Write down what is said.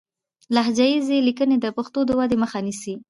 لهجه ييزې ليکنې د پښتو د ودې مخه نيسي